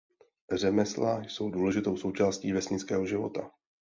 Řemesla jsou důležitou součástí vesnického života.